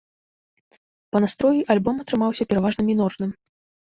Па настроі альбом атрымаўся пераважна мінорным.